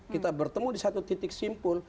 kita bertemu di satu titik simpul